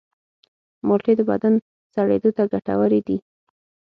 مالټې د بدن سړېدو ته ګټورې دي.